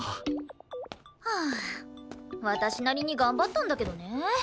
はあ私なりに頑張ったんだけどね。